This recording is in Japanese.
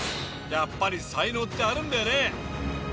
やっぱり才能ってあるんだよね。